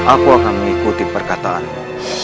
aku akan mengikuti perkataanmu